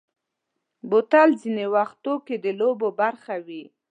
بوتل ځینې وختو کې د لوبو برخه وي.